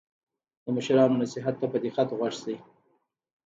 د مشرانو نصیحت ته په دقت غوږ شئ.